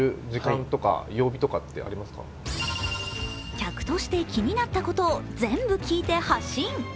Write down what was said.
客として気になったことを全部聞いて、発信。